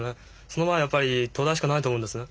その場合やっぱり東大しかないと思うんですね。